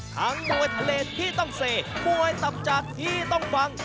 มวยทะเลที่ต้องเซมวยตับจากที่ต้องฟัง